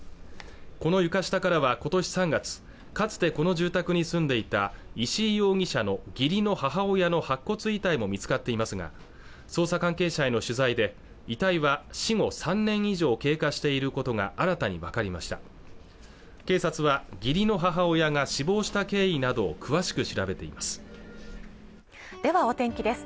この床下からは今年３月かつてこの住宅に住んでいた石井容疑者の義理の母親の白骨遺体も見つかっていますが捜査関係者への取材で遺体は死後３年以上経過していることが新たに分かりました警察は義理の母親が死亡した経緯などを詳しく調べていますではお天気です